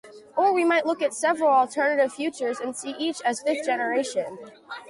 Or we might look at several alternative futures and see each as fifth generation.